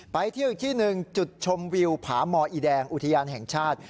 ไปเที่ยวอีกที่หนึ่งจุดชมวิวผาหมออีแดงอุทยานแห่งชาติ